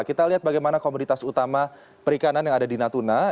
kita lihat bagaimana komoditas utama perikanan yang ada di natuna